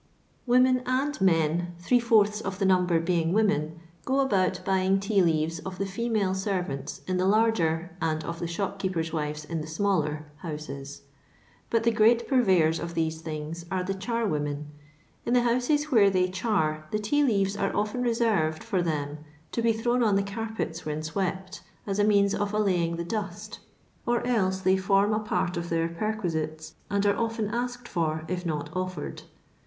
Women and men, three fourths of the number being women, go about buying tea leaves of the female servants in the larger, and of the shop keepers' wives ill the smaller, houses, ^ut the great purveyors of these things arc the char women. In the booses where they char the tea leaves are often reserved for them to be thrown on the carpets when swept, as a means of allaying the dust, or else they form a part of their perquisites, and are often asked for if not offered.